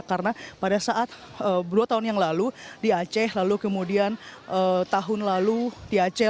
karena pada saat dua tahun yang lalu di aceh lalu kemudian tahun lalu di aceh